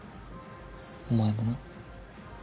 お前もな？